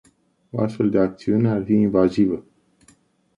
O astfel de acțiune ar fi invazivă.